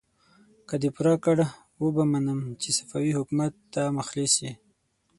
که دې پوره کړ، وبه منم چې صفوي حکومت ته مخلص يې!